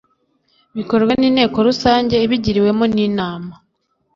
bikorwa n inteko rusange ibigiriwemo inama